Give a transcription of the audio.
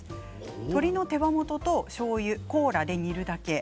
鶏の手羽元としょうゆ、コーラを入れるだけ。